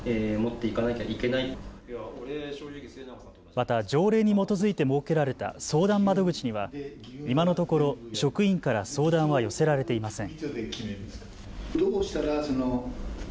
また条例に基づいて設けられた相談窓口には今のところ職員から相談は寄せられていません。